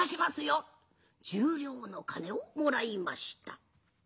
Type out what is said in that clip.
１０両の金をもらいました。